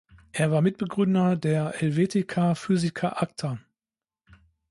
Er war Mitbegründer der "Helvetica Physica Acta".